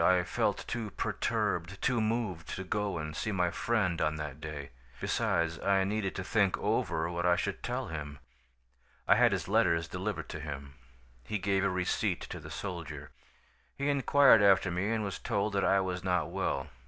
I felt too perturbed, too moved, to go and see my friend on that day. Besides, I needed to think over what I should tell him. "I had his letters delivered to him. He gave a receipt to the soldier. He inquired after me and was told that I was not well.